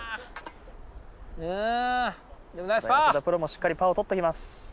プロもしっかりパーを取っていきます。